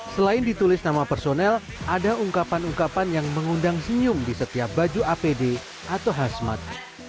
selain ditulis nama personel ada ungkapan ungkapan yang mengundang senyum di setiap baju apd atau hasmat